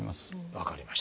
分かりました。